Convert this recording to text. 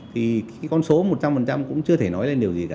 thì cái con số một trăm linh cũng chưa thể nói lên điều gì cả